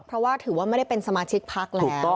เพราะว่าถือว่าไม่ได้เป็นสมาชิกพักแล้ว